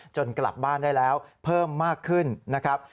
กลับบ้านได้แล้วเพิ่มมากขึ้นนะครับ